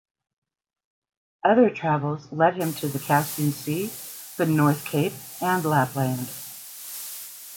Other travels led him to the Caspian Sea, the North Cape, and Lapland.